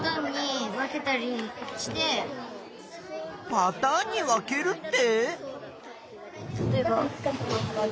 パターンに分けるって？